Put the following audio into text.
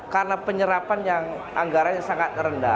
karena penyerapan yang anggaranya sangat rendah